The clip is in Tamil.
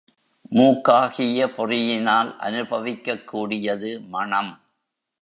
மூக்காகிய பொறியினால் அநுபவிக்கக் கூடியது மணம்.